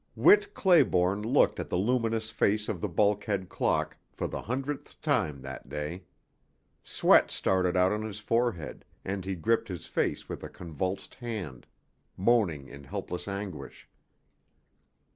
Whit Clayborne looked at the luminous face of the bulkhead clock for the hundredth time that day. Sweat started out on his forehead, and he gripped his face with a convulsed hand, moaning in helpless anguish.